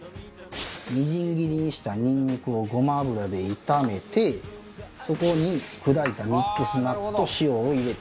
みじん切りにしたニンニクをゴマ油で炒めてここに砕いたミックスナッツと塩を入れて完成です。